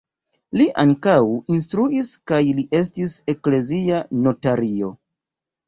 Li ankaŭ instruis kaj li estis eklezia notario.